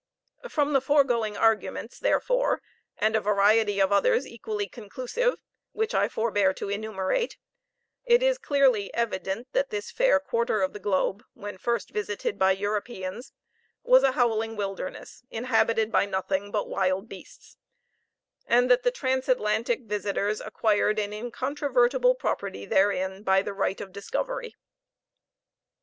From the foregoing arguments, therefore, and a variety of others equally conclusive, which I forbear to enumerate, it is clearly evident that this fair quarter of the globe, when first visited by Europeans, was a howling wilderness, inhabited by nothing but wild beasts; and that the transatlantic visitors acquired an incontrovertible property therein, by the right of discovery.